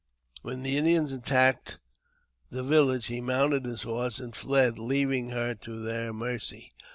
When the Indians attacked the village, he mounted his horse and fled, leaving her to their mercy.